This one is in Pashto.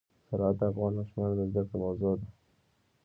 زراعت د افغان ماشومانو د زده کړې موضوع ده.